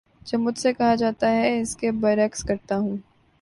جو مجھ سے کہا جاتا ہے اس کے بر عکس کرتا ہوں